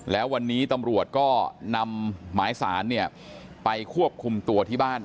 แล้ววันนี้ตำรวจก็นำหมายสารไปควบคุมตัวที่บ้าน